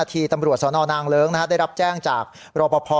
ทีตำรวจสนนางเลิ้งได้รับแจ้งจากรอปภ